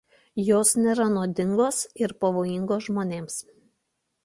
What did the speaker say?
Jos nėra nuodingos ir pavojingos žmonėms.